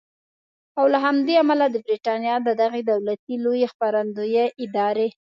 او له همدې امله د بریټانیا د دغې دولتي لویې خپرندویې ادارې